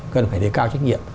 cần phải đề cao trách nhiệm